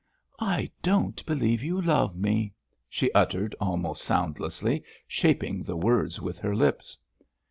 "I don't believe you love me," she uttered almost soundlessly, shaping the words with her lips.